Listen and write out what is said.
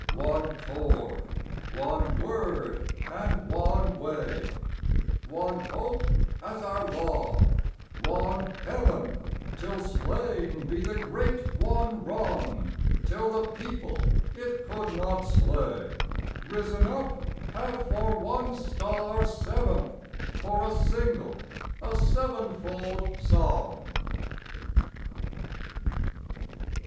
One chord, one word, and one way, One hope as our law, one heaven, Till slain be the great one wrong; Till the people it could not slay, Risen up, have for one star seven, For a single, a sevenfold song.